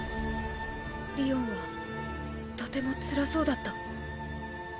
りおんはとてもつらそうだった。